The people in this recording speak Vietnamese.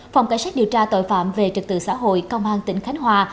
phòng cảnh sát điều tra tội phạm về trật tự xã hội công an tỉnh khánh hòa